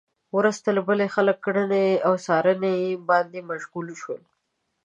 ورځ تر بلې خلک کرنې او څارنې باندې مشغول شول.